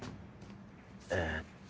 えっと